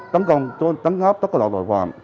tấn công tấn góp tất cả loại loại hoàn